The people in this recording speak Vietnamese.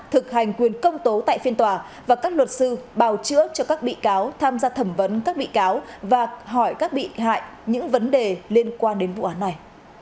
thực hành quyền công tố tại phiên tòa và các luật sư bào chữa cho các bị cáo tham gia thẩm vấn các bị cáo và hỏi các bị hại những vấn đề liên quan đến vụ án này